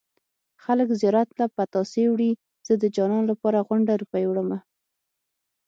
خلک زيارت له پتاسې وړي زه د جانان لپاره غونډه روپۍ وړمه